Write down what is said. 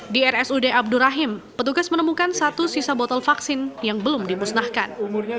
di rsud abdurrahim petugas menemukan satu sisa botol vaksin yang belum dimusnahkan